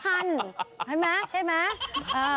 ใช่ไหมใช่ไหม